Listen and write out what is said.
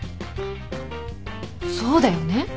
そうだよね。